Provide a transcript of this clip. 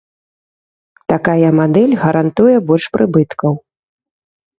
Такая мадэль гарантуе больш прыбыткаў.